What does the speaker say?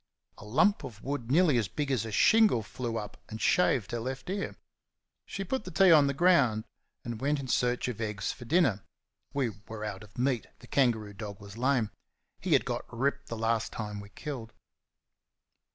A lump of wood nearly as big as a shingle flew up and shaved her left ear. She put the tea on the ground and went in search of eggs for dinner. (We were out of meat the kangaroo dog was lame. He had got "ripped" the last time we killed.)